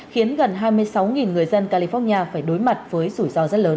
khiến gần hai mươi sáu người dân california phải đối mặt với rủi ro rất lớn